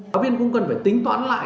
giáo viên cũng cần phải tính toán lại